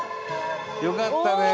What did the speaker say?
よかったね！